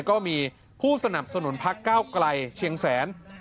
ก็มีผู้สนับสนุนพักเก้าไกลเชียงแสน